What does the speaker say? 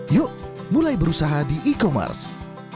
yuk mulai berusaha di e commerce